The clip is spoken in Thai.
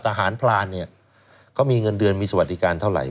ทหารพรานเนี่ยเขามีเงินเดือนมีสวัสดิการเท่าไหร